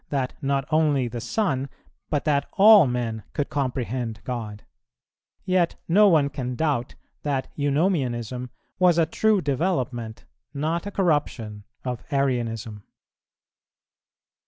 that not only the Son, but that all men could comprehend God; yet no one can doubt that Eunomianism was a true development, not a corruption of Arianism.